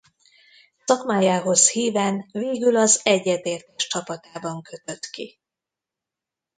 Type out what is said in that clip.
Szakmájához híven végül az Egyetértés csapatában kötött ki.